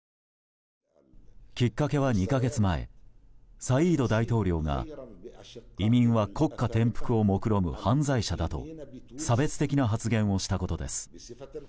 きっかけは２か月前サイード大統領が移民は国家転覆をもくろむ犯罪者だと差別的な発言をしたことです。